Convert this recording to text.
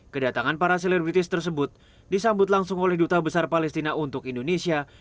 kedatangan para selebritis tersebut disambut langsung oleh duta besar palestina untuk indonesia